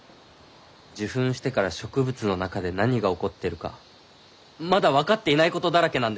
受粉してから植物の中で何が起こってるかまだ分かっていないことだらけなんです！